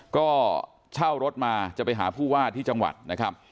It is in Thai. ก็เช่ารถมาจะไปหาผู้ว่าที่จังหวัดนะครับ